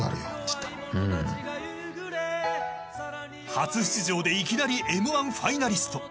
初出場でいきなりＭ‐１ファイナリスト。